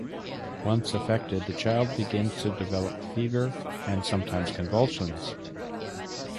Once affected, the child begins to develop fever, and sometimes convulsions.